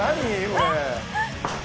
これ。